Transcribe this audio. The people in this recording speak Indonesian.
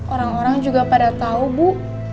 orang orang juga pada tahu bu